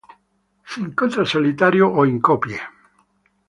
Si incontra solitario o in coppie.